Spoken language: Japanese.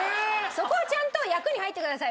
そこはちゃんと役に入ってくださいよ。